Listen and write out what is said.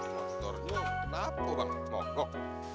motornya kenapa bang mogok